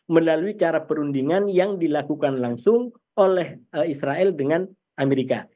melalui cara perundingan yang dilakukan langsung oleh israel dengan amerika